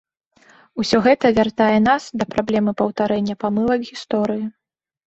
Усё гэта вяртае нас да праблемы паўтарэння памылак гісторыі.